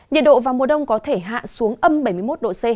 nhiệt độ vào mùa đông có thể hạ xuống âm bảy mươi một độ c